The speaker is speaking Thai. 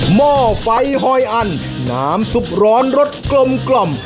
หม้อไฟหอยอันน้ำซุปร้อนรสกลม